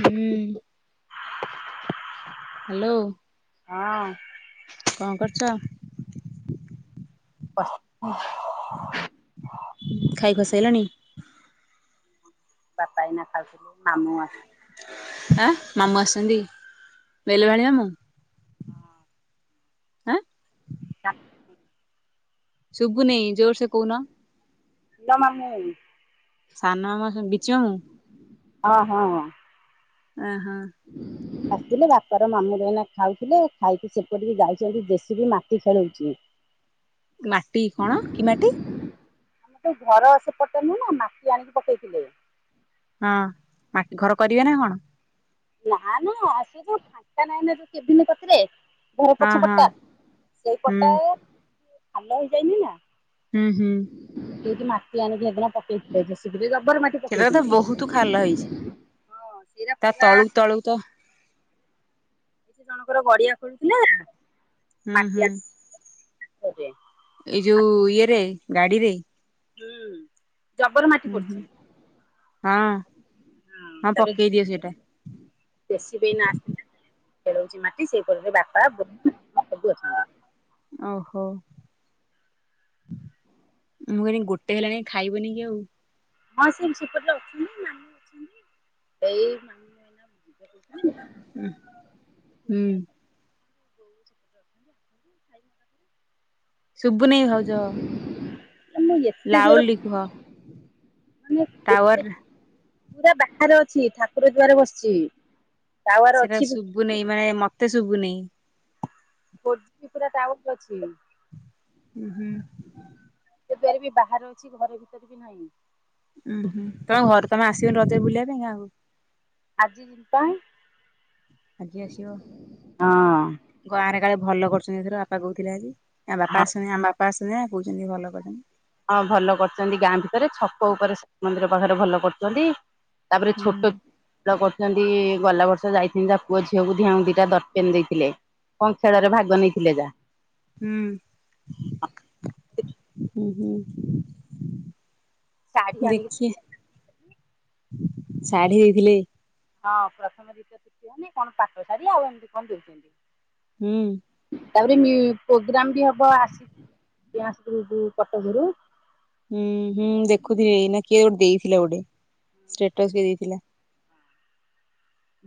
ହୁଁ ହାଲୋ ହଁ। କଣ କରୁଚ? ଅ ଖାଇବା ସଇଲାଣି। ବାପା ଏଇନା ଖାଉଥିଲେ ମାମୁଁ ଆସ ଆଁ ମାମୁଁ ଆସନ୍ତି। ବେଲ ବଣୀ ମାମୁଁ ଏଁ ଚା ଶୁବୁ ନେଇଁ ଜୋରସେ କହୁନ। [inaudible] ସାନ ମାମୁଁ ଆସନ୍ତି ବିଚି ମାମୁଁ ହଁ ହଁ ଏଁ ହଁ। ଆସିଥିଲେ ବାପାର ମାମୁଁ ର ଏଇନା ଖାଉଥିଲେ ଖାଇକି ସେପଟିକି ଯାଇଛନ୍ତି ଜେସିବି ମାଟି ଖେଳଉଛି। ମାଟି କଣ କି ମାଟି? ଆମର ସେଇ ଘର ସେପଟ ନୁହେଁ ନା ମାଟି ଆଣିକି ପକେଇଥିଲେ। ହଁ ମାଟି ଘର କରିବେ ନା କଣ? ନା ନା ସେ ଯୋଉ ଫାଙ୍କା ନାହିଁ ନା ଯୋଉ କେଭିନି କତିରେ ଘର ହଁ ପଛପଟ ହଁ ଟା ସେଇ ପଟ ହୁଁ ଟା ଖାଲ ହେଇଯାଇନି ନା। ହୁଁ ହୁଁ। ସେଇଠି ମାଟି ଆଣିକି ହେଇଦିନ ପକେଇଥିଲେ [unintelligible] ସେଟାରତ ପକେଇଛନ୍ତି। ବହୁତ୍ ଖାଲ ହେଇଛି। ହଁ ସେଇରା ତା ପୁରା ତଳୁକୁ ତଳୁକୁ ତ- ଜଣଙ୍କର ଗଡି଼ଆ ଖୋଳୁଥିଲା। ହୁଁ ହୁଁ। [unintelligible] ଏଇ ଯଉ ଆଉ ଇୟ ରେ ଗାଡ଼ିରେ। ହୁଁ। ଜବର ମାଟି ହୁଁ ପଡ଼ିଚି ହଁ ହୁଁ ହଁ ତାଙ୍କର ପକେଇ ଦିଅ ସେଇଟା ଜେସିବି ଏଇନା ଆସିଥିଲା ଖେଳଉଛି ମାଟି ସେଇ [unintelligible] ବାପା ବୋଉ ଓହୋ ମୁଁ କଇନି ଗୋଟେ ହେଲାଣି ଖାଇବନି କି ଆଉ ହଁ ସେ ସେପଟରେ ଅଛନ୍ତି ମାନୀ ଅଛନ୍ତି ଏଇ ମାନୀ [unintelligible] ବୁଝିବାକୁ ହ ହୁଁ। [unintelligible] ଶୁବୁନି ଭାଉଜ। ଆମ ଏତେ ଦୂର ଟାୱର ନା ପୁରା ବାହାରେ ଅଛି ଠାକୁର ଦୁଆରେ ବସିଛି। ଟାୱାର ସେଇଟା ଅଛି ଶୁଭୁନାହିଁ ମାନେ ମତେ ଶୁବୁନି। ଫୋର ଜିବି ପୁରା ଡାଉନ୍ ଅଛି। ହୁ ହୁଁ। ଏବେ ବି ବାହାରେ ଅଛି ଘର ଭିତରେ ବି ନାହିଁ। ଉୁଁ ହୁଁ ତମ ଘରେ ତମେ ଆସ୍ ରଜରେ ବୁଲିବା ପାଇଁଁ ଗାଁ କୁ ଆଜି ପାଇଁ ଆଜି ଆସିିବ ହଁ। ଗାଁ ରେ କାଳେ ଭଲ କରୁଛନ୍ତି ଏଥର ବାପା କହୁଥିଲେ ଆଜି ତା ଆଉ ବାପା ଆସାନ୍ତି ଆଁ ବାସ୍ନା କହୁଛନ୍ତି ଭଲ କରିଛନ୍ତି। ହଁ ଭଲ କରଛନ୍ତି ଗାଁ ଭିତରେ ଛକ ଉପରେ ମନ୍ଦିର ପାଖରେ ଭଲ କରୁଛନ୍ତି। ତାପରେ ହୁଁ ଛୋଟ [unintelligible] ସେନ୍ତି ଗଲା ବର୍ଷ ଯାଇଥିଲି ଯାହା ପୁଅ ଝିଅକୁ ଦିହାଙ୍କୁ ଦିଇଟା ଡଟ୍ ପେନ୍ ଦେଇଥିଲେ କଣ ଖେଳରେ ଭାଗ ନେଇଥିଲେ ଯାହା। ହୁଁ ଉଁ ହୁଁ ଉଁ ଶାଢ଼ୀ ଆଣିକି? ଦେଖିଆ ଶାଢୀ ଦେଇଥିଲେ। ହଁ ପ୍ରଥମ ଦ୍ୱିତୀୟ ତୃତୀୟ ହେଲେ କଣ ପାଟ ଶାଢୀ ଆଉ ଏମିତି କଣ ଦଉଛନ୍ତି। ହୁଁ ତାପରେ ମି ପୋଗ୍ରାମ ବି ହବ ଆସିକି ଡାନ୍ସଗ୍ରୁପ୍ କଟକ ରୁ ହୁଁ ହୁଁ ଦେଖୁଥିଲି ଏଇନା କିଏ ଗୋଟେ ଦେଇଥିଲା ଗୋଟେ ଷ୍ଟାଟସ୍ କିଏ ଦେଇଥିଲା।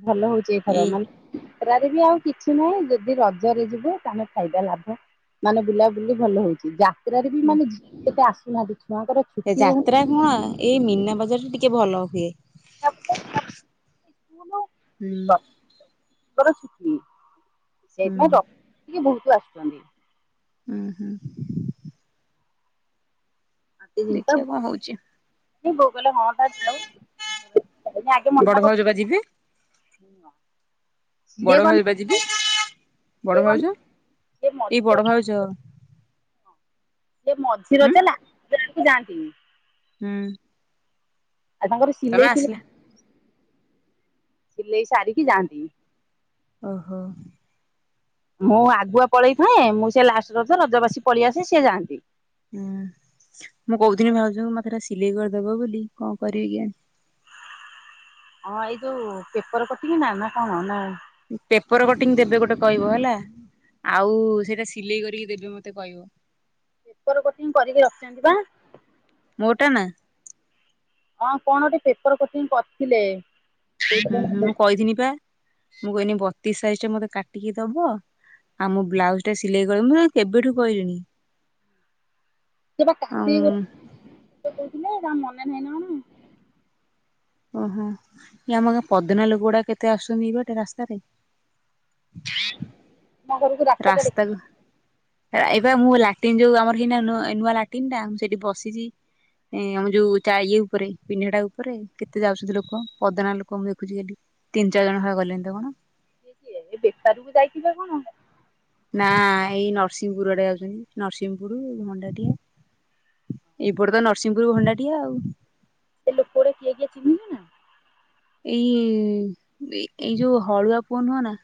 ଭଲ ହଉଛି ଏଇଥର ଏଇ ମାନେ ଖରାରେ ବି ଆଉ କିଛି ନାହିଁ ଯଦି ରଜରେ ଯିବ ତାହେଲେ ଫାଇଦା ଲାଭ ମାନେ ବୁଲାବୁଲି ଭଲ ହଉଛି ଯା ସେରାରେ ବି ହୁଁ। ମାନେ ଝି ସେଟା। [unintelligible] ଏ ଯାତ୍ରା କଣ ଏଇ ମୀନା ବଜାର ଠୁ ଟିକେ ଭଲ ସିଏ ହୁଁ ମୋର ଛୁଟି ହୁଁ ସେଇମାଗ ଟିକେ ବହୁତ ଆସୁଛନ୍ତି। ଉଁ ହୁଁ ଆଣ୍ଟି ଦେଖିବା ଜିନିଷ କଣ ହଉଛି ଆଉ [unintelligible] କହିଲେ ହଁ ତାର ଯାଉ ହେଲେ ଆଗେ ବଡ ମନା ଭାଉଜ ବା ଯିବେ କରୁଥିଲେ। ଉଁ ନା ବଡ ଭାଉଜ ପା ଯିବେ ସିଏ ବଡ ଗଲେ ଭାଉଜ ସିଏ ଏଇ ମଝି ବଡ ଭାଉଜ। ଏଇ ହୁଁ ମଝିରଜ ଲା ହେଲା। ମୁଁ ଜାଆନ୍ତିନି। ହୁଁ। ଆଉ ତାଙ୍କର ତମେ ସିଲେଇ ଫିଲେଇ ଆସିଲା ସିଲେଇ ସାରିକି ଯାଆନ୍ତି। ଓହୋ। ମୁଁ ଆଗୁଆ ପଳେଇଥାଏ ମୁଁ ସେ ଲାଷ୍ଟ ରଜ ରଜବାସୀ ପଳେଇଆସେ ସେ ଯାଆନ୍ତି। ହୁଁ ମୁଁ କହୁଥିଲି ଭାଉଜ ମୋତେ ଟିକେ ସିଲେଇ କରିଦବ ବୋଲି କଣ କରିବି କିଆଣି। ହଁ ଏଇ ଯୋଉ ପେପର କଟିଙ୍ଗୀନା ନା କଣ ନା? ପେପର କଟିଂ ଦେବେ ଗୋଟେ କହିବ ହେଲା। ଆଉ ସେଇଟା ସିଲେଇ କରିକି ଦେବେ ମତେ କହିବ। ପେପର କଟିଙ୍ଗି କରିକି ରଖିଛନ୍ତି ପା। କଟା ନା। ହଁ କଣ ଗଟେ ପେପର କୋଚିଂ କରିଥିଲେ ହୁଁ ହୁଁ ମୁଁ ସେ କହିଥିନି ପା ମୁଁ କହିନି ବ ଦି ସାଇଜ ଟା ମତେ କାଟିକି ଦବ ଆଉ ମୋ ବ୍ଲାଉଜ ଟା ସିଲେଇ କି ମୁଁ କେବେଠୁ କହିଲିଣି ସେ ବା ଆଉ କାଟି ଦେଇଥିଲେ ତାଙ୍କର ମାନେ ନାହିଁ ନାଁ କଣ ଓହୋ ଏ ଆମ ପଦନା ଲୋକ ଗୋଡ଼ା କେତେ ଆସୁଛନ୍ତି ଏଇପଟେ ରାସ୍ତାରେ [unintelligible] ତୁମ ଘରକୁ ରାସ୍ତାଟା ଦେଖି ଏବେ ମୁଁ ଲାଟିନ ଯୋଉ ଆମର ହେଇନା ନୂଆ ଲାଟିନ୍ ଟା ମୁଁ ସେଇଠି ବସିଛି ଆମ ଯୋଉ ଇଏ ଉପରେ ପିଣ୍ଢା ଟା ଉପରେ କେତେ ଯାଉଛନ୍ତି। ଲୋକ ପଦନା ଲୋକ ମୁଁ ଦେଖୁଛି ଖାଲି ତିନି ଚାରି ଜଣ ଗଲେଣିନା କଣ ଇଏ କିଏ ବେପାର କୁ ଯାଇଥିବେ କଣ ନା ଏଇ ନରସିଂହପୁର ଆଡେ ଯାଉଛନ୍ତି ନରସିଂହପୁର ଭଣ୍ଡାରି ଏଇପଟେ ତ ନରସିଂହପୁର ଭଣ୍ଡାଟିଆ ଆଉ ସେ ଲୋକ ଗୋଡ଼ା କିଏ କିଏ ଚିନିଛୁନା ଏଇ ଏଇ ଯୋଉ ହାଲୁଆ ପୁଅ ନୁହଁ ନାଁ।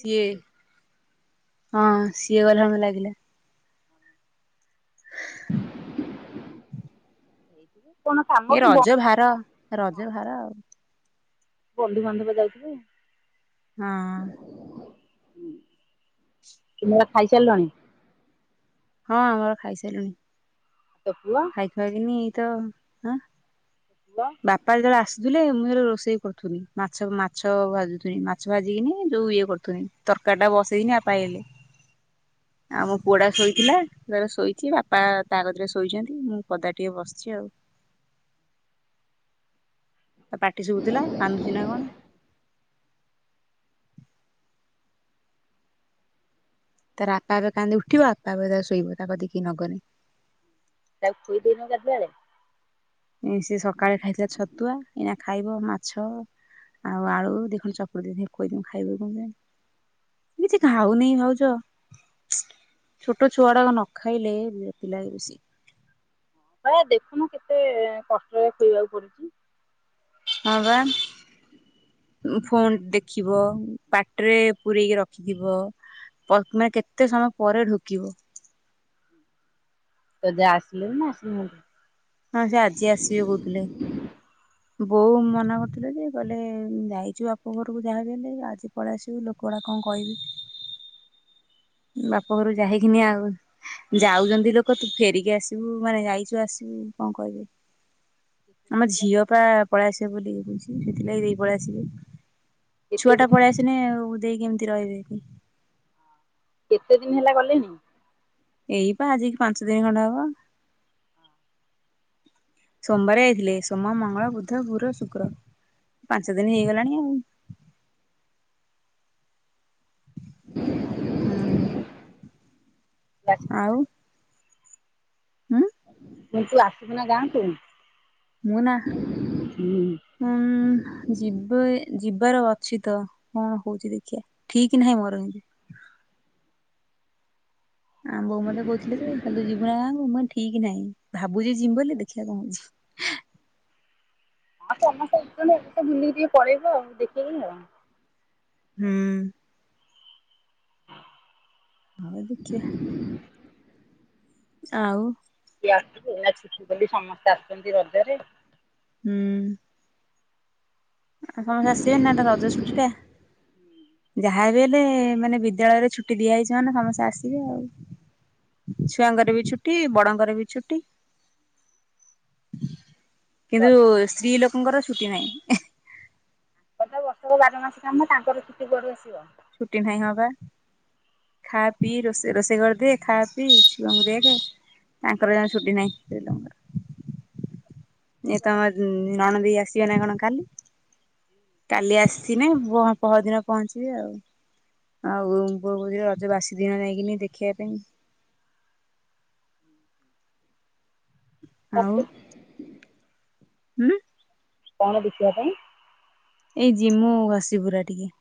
ସିଏ ହଁ ସିଏ ଗଲା ଭ ଲାଗିଲା। କଣ କାମ ଏ କି ବ ରଜ ଭାର ରଜ ଭାର ଆଉ ବନ୍ଧୁବାନ୍ଧବ ଯାଉଥିବେ ହଁ। ତୁମର ଖାଇସାରିଲଣି? ହଁ ଆମର ଖାଇ ସାରିଲୁଣି। ତୋ ପୁଅ ଖାଇ ଖୁଆକିନି ତ ହାଁ ପୁଅ ବାପା ଯେତେବେଳେ ଆସ ଆସିଥିଲେ ମୁଁ ରୋଷେଇ କରୁଥିଲି ମାଛ ମାଛ ଭାଜୁଥିଲି ମାଛ ଭାଜିକିନି ଯୋଉ ଇଏ କରୁଥିଲି ତରକାରୀ ଟା ବସେଇକି ବାପା ଆସିଲେ ଆଉ ମୋ ପୁଅଟା ଶୋଇଥିଲା ଶୋଇଛି ବାପା ତା କତିରେ ଶୋଇଛନ୍ତି ମୁଁ ପଦା ଟିକେ ବସିଛି ଆଉ ପାଟି ଶୁଭୁଥିଲା କାନ୍ଦୁଚି ନା କଣ? ତାର ଆପେ ଆପେ କାନ୍ଦି ଉଠିବ ଆପେ ଆପେ ଶୋଇବ ତା କତିକି କେହି ନଗଲେ ତାକୁ ଖୋଇଦେଇନୁ ଗାଧୁଆବେଳେ ସେ ସକାଳେ ଖାଇଥିଲା ଛତୁଆ ଏଇନା ଖାଇବ ମାଛ ଆଉ ଆଳୁ ଦିଖଣ୍ଡ ଚକୁଡେ ଖୋଇ ଦେବି ଖାଇବ କି କଣ କିଛି ଖାଉନି ଭାଉଜ ଛୋଟଛୁଆଗୁଡା ନ ଖାଇଲେ ବିରକ୍ତି ଲାଗେ ବେଶୀ। ହଁ ବା ଦେଖୁନୁ କେତେ କଷ୍ଟରେ ଖୁଆଇବାକୁ ପଡୁଛି। ହଁ ବା ଫୋନ ଦେଖିବ, ପାଟିରେ ପୂରେଇକି ରଖିଥିବ, ମାନେ କେତେ ସମୟ ପରେ ଢୋକିବ। ତୋ ଜା ଆସିଲେଣି ନା ଆସିନାହାନ୍ତି? ହଁ ସେ ଆଜି ଆସିବେ କହୁଥିଲେ। ବୋଉ ମନା କରୁଥିଲ ଯେ କହିଲେ ଯାଇଛୁ ବାପଘରକୁ ଯାହା ଯେମିତି ଆଜି ପଳେଇ ଆସିବୁ ଲୋକଗୁଡ଼ା କଣ କହିବେ? ବାପ ଘରୁ ଯାଇକିନି ଆଉ ଯାଉଛନ୍ତି ଲୋକ ତୁ ଫେରିକି ଆସିବୁ ମାନେ ଯାଇଛୁ ଆସିବୁ କଣ କହିବେ? ଆମ ଝିଅ ପା ପଳେଇଆ ଦେ ବୋଲିକି କୋହୁଚି। ସେଥିଲାଗି ଦେଇ ପଳେଇଆସିଲି। କେତେ ଛୁଆଟା ଦିନ ପଳେଇ ଆସିନେ ଆଉ ଦେଇ କେମ ତି ରହିବେ କି? କେତେ ଦିନ ହେଲା ଗଲେଣି? ଏଇ ପା ଆଜିକି ପାଞ୍ଚ ଦିନ ଖଣ୍ଡେ ହବ। ସୋମବାରେ ଯାଇଥିଲେ। ସୋମ, ମଙ୍ଗଳ, ବୁଧ ଗୁର ଶୁକ୍ର ପାଞ୍ଚ ଦିନି ହେଇଗଲାଣି ଆଉ। ଅ ତୁ ଆସିବୁ [unintelligible] ଉଁ ତୁ ଆସିବୁ ନାଁ ଗାଁକୁ? ମୁଁ ନାଁ ହୁଁ ହୁଁ ଯିବି ଯି ବାର ଅଛି ତ। କଣ ହୋଉଚି ଦେଖିଆ, ଠିକ ନାହିଁ ମୋର କିନ୍ତୁ। ଆଁ ବୋଉ ମତେ କୋହୁଥୁଲେ କହିଲେ ତୁ ଯିବୁ ନାଁ ଗାଁକୁ ମୁଁ ଠି ଠିକ ନାଇଁ। ଭାବୁଚି ଯିମି ବୋଲି ଦେଖିଆ କଣ ହଉଚି? ହଁ ତମେ [unintelligible] ବୁଲିକି ଟିକେ ପଳେଇବ ଦେଖିକି ଆଉ। ହୁଁ। ହଉ ଦେଖିଆ। [unintelligible] [unintelligible] ଛୁଟି ବୋଲି ସମସ୍ତେ ଆସୁଚନ୍ତି ରଜରେ। ହୁଁ। ଆ ସମସ୍ତେ ଆସିବେନି ନାଁ ଏଟା ରଜ ଛୁଟିଟା, ଯାହା ବି ହେଲେ ମାନେ ବିଦ୍ୟାଳୟରେ ଛୁଟି ଦିଆ ହେଇଚି ମାନେ ସମସ୍ତେ ଆସିବେ ଆଉ। ଛୁଆଙ୍କର ବି ଛୁଟି, ବଡଙ୍କର ବି ଛୁଟି। ରଜ କିନ୍ତୁ ରଜ ସ୍ତ୍ରୀ ଲୋ ଙ୍କର ଛୁଟି ନାହିଁ। କଥାକୁ ବର୍ଷକ ବାର ମାସ କାମ ତାଙ୍କର ଛୁଟି କୁଆଡ଼ୁ ଆସିବ? ଛୁଟି ନାହିଁ ହଁ ପା। ଖା ପିଇ ରୋଷେଇ ରୋଷେଇ କରିଦିଏ ଖା ପିଇ ଛୁଆଙ୍କୁ ଦେଖେ। ତାଙ୍କର ଯଥା ଛୁଟି ନାହିଁ ସ୍ତ୍ରୀଲୋକଙ୍କର। ଏ ତ ଆମ ନଣଦେଇ ଆସ୍ ବେ ନାଁ କଣ କାଲି? କାଲି ଆସିଥିନେ ବ ପହର ଦିନ ପହଞ୍ଚିବି ଆଉ। ଆଉ ବୋଉ କୋହୁଥୁଲେ ରଜ ବାସି ଦିନ ଯାଇଁକିନି ଦେଖିବା ପାଇଁ। ଆଉ ତାତ ହୁଁ। କଣ ଦେଖିବା ପାଇଁ? ଏଇ ଯିମୁ ଘସିପୁରା ଟିକେ।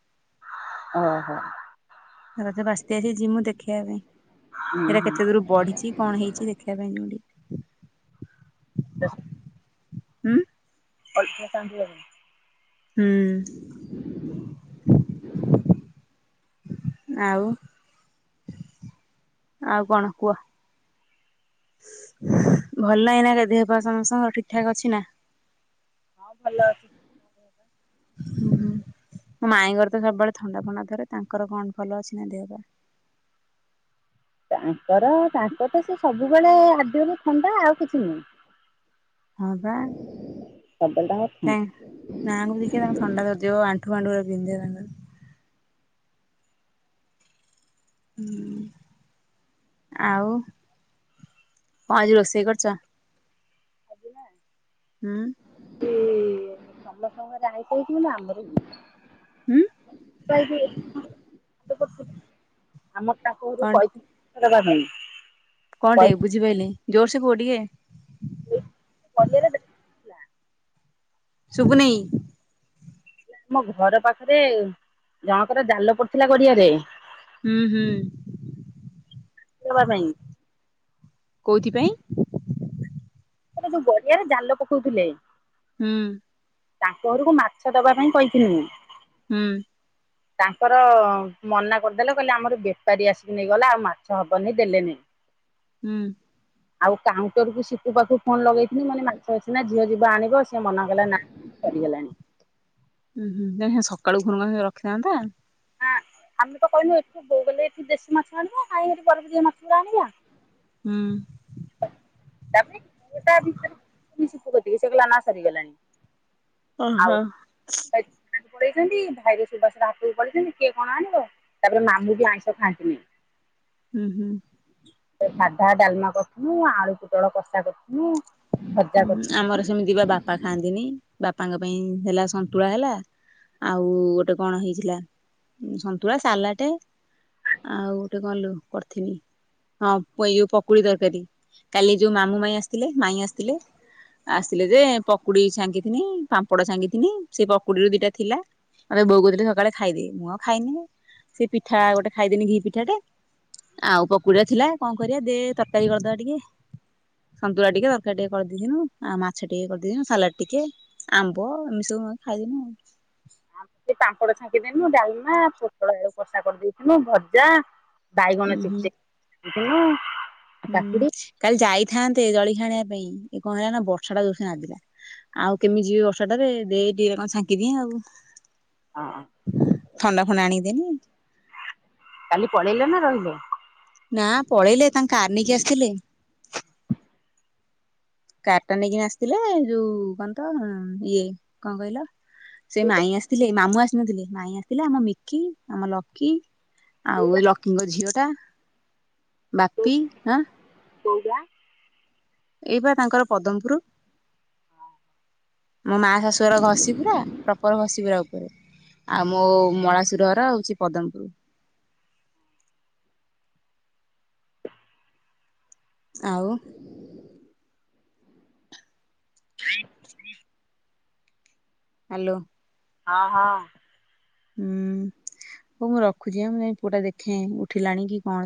ଓ ହ। ରଜ ବାସି ବାସିତି ଯିମୁ ଦେଖେଇବା ପାଇଁ। ହୁଁ ହେରା ହୁଁ କେତେ ଦୂରୁ ବଢିଚି କଣ ହେଇଚି ଦେଖିବା ପାଇଁ ଯିମୁ ଟିକେ। ତସ୍ ହୁଁ। ଅଲ୍ପ ଶାନ୍ତି ହବନି। ହୁଁ [unintelligible] ଆଉ ଆଉ କଣ କୁହ ଭଲ ନାହିଁ ନା କେ ଦେହ ପା ସମସ୍ତଙ୍କର ଠିକ ଠାକ ଅଛି ନା। ହଁ ଭଲ ଅଛି। ହୁଁ ହୁଁ ମୋ ମାଇଁଙ୍କର ତ ସବୁବେଳେ ଥଣ୍ଡା ଫଣ୍ଡା ଥରେ ତାଙ୍କର କଣ ଭଲ ଅଛି ନା ଦେହ ପା? ତାଙ୍କର ତାଙ୍କ ତ ସେ ସବୁବେଳେ ଆଦ୍ୟରୁ ଥଣ୍ଡା ଆଉ କିଛି ନୁହେଁ। ହଁ ବା ସବୁବେଳେ ତାଙ୍କର ନାକ ତାଙ୍କ ଥଣ୍ଡା ଧରିଯିବ ଆଣ୍ଠୁ ଫାଣ୍ଠୁ [unintelligible] ହଁ ଆଉ କଣ ଆଜି ରୋଷେଇ କରିଚ? ଆଜି ନା ହୁଁ ସେ ସମସ୍ତଙ୍କର ଆଇଁଷ ହେଇଚି ମାନେ ଆମର ବି ହୁଁ ହେବ ମୁଁ କହିଲି ଆମର ତାଙ୍କ ଘରୁ କହିଥିଲି [unintelligible] କଣ ଟେ କହିଥିଲି ବୁଝିପାରିଲି ଜୋରସେ କୁହ ଟିକେ। [unintelligible] ଶୁଭୁନେଇ? ଆମ ଘର ପାଖରେ ଜଣଙ୍କର ଜାଲ ପଡିଥିଲା ଗଡିଆରେ ହୁଁ ହୁଁ ପକେଇବା ପାଇଁ କୋଉଥିପାଇଁ? ସେଟା ଯୋଉ ଗଡିଆରେ ଜାଲ ପକଉଥିଲେ ହୁଁ ତାଙ୍କ ଘରକୁ ମାଛ ଦବା ପାଇଁ କହିଥିଲି ମୁଁ। ହୁଁ ତାଙ୍କର ମନା କରିଦେଲେ କହିଲେ ଆମର ବେପାରୀ ଆସିକି ନେଇଗଲା ଆଉ ମାଛ ହବନି ଦେଲେନି ହୁଁ ଆଉ କାଉଣ୍ଟର କୁ ସିପୁ ପାଖକୁ ଫୋନ ଲଗେଇଥିଲି ମାନେ ମାଛ ମାସ ନା ଝିଅ ଯିବ ଆଣିବ ସେ ମନା କଲା ନାଇଁ ସରିଗଲାଣି। ଉୁଁ ହୁ ତମେ ସିନା ସକାଳୁ ଫୋନ୍ କରିଥାନ୍ତ ସେ ରଖିଥାନ୍ତା। ହଁ ଆମେ ତ କହିଲୁ ଏଠୁ ହେଇଗଲେ ଏଠି ଦେଶୀ ମାଛ ଆଣିବା କାହିଁକି ବରଫ ଦିଆ ମାଛ ଗୁଡା ଆଣିବା। ହୁଁ ତାପରେ ଫୋନ୍ ଟା କଲି ସିପୁ କଟସେଗଲା ନା ସରିଗଲାଣି। ଆଉ ଓହୋ। ପଳେଇଛନ୍ତି ଭାଇର ସୁବାସର ହାଟକୁ ପଳେଇଛନ୍ତି କିଏ କଣ ଆଣିବ ତାପରେ ମାମୁଁ ବି ଆଇଁଷ ଖାଆନ୍ତିନି। ହୁଁ ହୁଁ। ସାଧା ଡ଼ାଲମା କରୁ ନୁ ଆଳୁ ପୋଟଳ କଷା କରୁନୁ ଆମର ସେମିତି ବା ବାପା ଖାଆନ୍ତିନି। ବାପାଙ୍କ ପାଇଁ ହେଲା ସନ୍ତୁଳା ହେଲା ଆଉ ଗୋଟେ କଣ ହେଇଥିଲା ସନ୍ତୁଳା ସାଲାଟ ଆଉ ଗୋଟେ କଲୁ କରିଥିବି ହଁ ଏଇ ଯୋଉ ପକୁଡି ତରକାରୀ କାଲି ଯୋଉ ମାମୁଁ ମାଇ ଆସିଥିଲେ ମାଇଁ ଆସିଥିଲେ ଆସିଥିଲେ ଯେ ପକୁଡି ଛାଙ୍କିଥିନି ପାମ୍ପଡ ଛାଙ୍କିଥିନି ସେ ପକୁଡିରୁ ଦିଟା ଥିଲା ମତେ ବୋଉ କହୁଥିଲେ ସକାଳେ ଖାଇଦେ ମୁଁ ଆଉ ଖାଇନି ସେ ପିଠା ଗୋଟେ ଖାଇଦେନି ଘି ପିଠାଟେ ଆଉ ପକୁଡିଆ ଥିଲା କଣ କରି ଦେ ତରକାରୀ କରିଦବା ଟିକେ ସନ୍ତୁଳା ଟିକେ [inaudible] ଟିକେ କରିଦେଇଥିନୁ ଆଉ ମାଛ ଟିକେ କରିଦେଇଥିନୁ ସାଲାଡ ଟିକେ ଆମ୍ବ ଏମିତି ସବୁ ଖାଇଦିନୁ ଆଉ। ସେ ପାମ୍ପଡ଼ ଛାଙ୍କିଦନୁ ଡାଲମା ପୋଟଳ ଆଳୁ କଷା କରିଦେଇଥିନୁ ଭଜା। ବାଇଗଣ ଉଁ ହୁଁ ଚେ [unintelligible] ହୁଁ କାଲି ଯାଇଥାନ୍ତେ ଜଳିଖୀ ଆଣି ପାଇଁ ଏ କଣ ହେଲା ନା ବର୍ଷା ଟା ଯୋଉ ନା ଆଉ କେମିତି ଯିବି ବର୍ଷା ଟାରେ ଦେଇ ଟିକ କଣ ଛାଙ୍କି ଦିଏ ଆଉ। ହଁ ଥଣ୍ଡା ଫଣ୍ଡା ଆଣିକି ଦେନି। କାଲି [unintelligible] ନା ପଳେଇଲେ ତାଙ୍କ କାର ନେଇକି ଆସିଥିଲେ। କାରଟା ନେଇକି ଆସିଥିଲେ ଏଯୋଉ କହ ତ ଇଏ କଣ କହିଲ ସେ ମାଇ ଆସିଥିଲେ ମାମୁଁ ଆସିନଥିଲେ ମାଇ ଆସିଥିଲେ ଆମ ମିକି ଆମ ଲକି। ଆଉ ଏ ଲକ୍ଷ୍ମୀଙ୍କ ଝିଅ ଟା। ବାପି ଆଁ [unintelligible] ଏଇ ବା ତାଙ୍କର ପଦମପୁର ମୋ ମା ଶାଶୁର ଘଷି ପୁରା ପ୍ରପର ଘଷି ପୁରା ଉପରେ। ଆଉମୋ ମଳାସୁର ଘର ହଉଛି ପଦମପୁର। ଆଉ? [inaudible] ହ୍ୟାଲୋ। ହଁ ହଁ। ହୁଁ ହଉ ମୁଁ ରଖୁଛି ମୁଁ ପୁଅଟା ଦେଖେ ଉଠିଲାଣି କି କଣ।